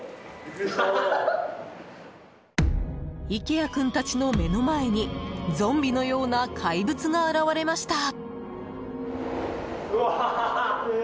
池谷君たちの目の前にゾンビのような怪物が現れました。